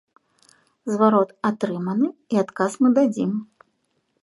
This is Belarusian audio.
Зварот атрыманы, і адказ мы дадзім.